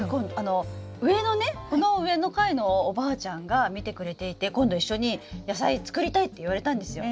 上のねこの上の階のおばあちゃんが見てくれていて今度一緒に野菜作りたいって言われたんですよ。